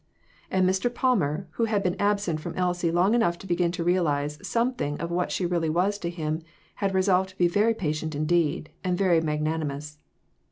And Mr. Palmer, who had been absent from Eisie long enough to begin to realize something of what she really was to him, had resolved to be very patient indeed, and very magnanimous.